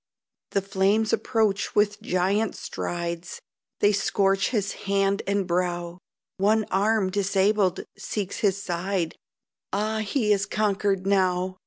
The flames approach with giant strides, They scorch his hand and brow; One arm, disabled, seeks his side, Ah! he is conquered now!